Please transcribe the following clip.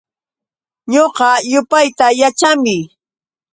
Ñuqa yupayta yaćhaami.